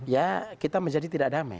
ya kita menjadi tidak damai